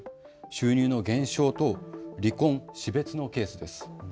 収入の減少と離婚・死別のケースです。